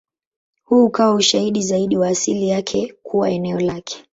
Huu ukawa ushahidi zaidi wa asili yake kuwa eneo lake.